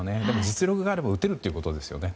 実力があれば打てるということですよね。